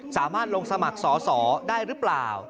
สามารถลงสมัครสอสอได้หรือเปล่า